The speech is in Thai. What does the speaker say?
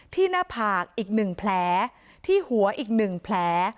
หน้าผากอีก๑แผลที่หัวอีก๑แผล